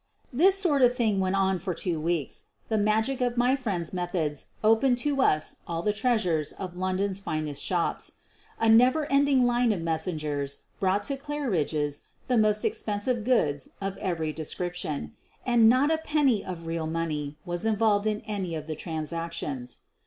This sort of thing went on for two weeks. The magic of my friend's methods opened to us all the treasures of London's finest shops. A never ending line of messengers brought to Claridge's the most expensive goods of every description — and not a penny of real money was involved in any of the transactions.